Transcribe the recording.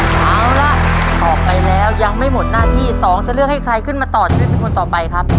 เอาล่ะออกไปแล้วยังไม่หมดหน้าที่๒จะเลือกให้ใครขึ้นมาต่อชีวิตเป็นคนต่อไปครับ